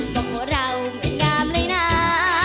พวกเราไม่งามเลยน่า